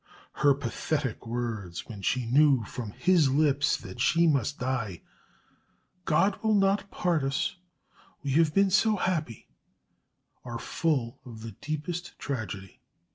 Her pathetic words, when she knew from his lips that she must die, "God will not part us we have been so happy," are full of the deepest tragedy.